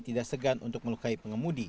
tidak segan untuk melukai pengemudi